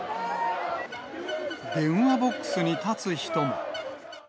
電話ボックスに立つ人も。